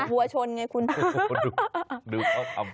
วัวชนแล้วคุณทำ